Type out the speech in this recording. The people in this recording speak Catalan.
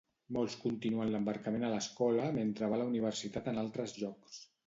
Molts continuen l'embarcament a l'escola mentre va a la Universitat en altres llocs.